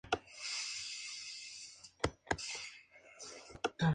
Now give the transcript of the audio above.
Grigori Zinóviev fue designado como presidente de la organización.